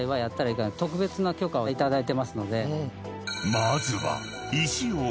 ［まずは］